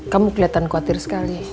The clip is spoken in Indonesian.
kamu keliatan khawatir sekali